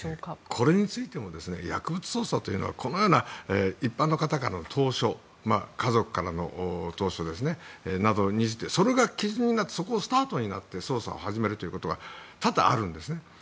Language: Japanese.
これについても薬物捜査というのはこのような一般の方からの投書家族からの投書などそれが基準になってそこをスタートに捜査を始めることが多々あるんですね。